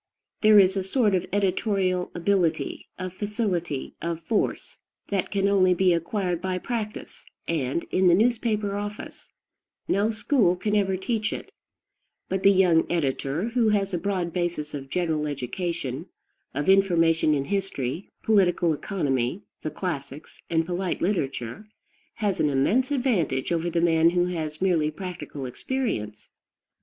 There is a sort of editorial ability, of facility, of force, that can only be acquired by practice and in the newspaper office: no school can ever teach it; but the young editor who has a broad basis of general education, of information in history, political economy, the classics, and polite literature, has an immense advantage over the man who has merely practical experience.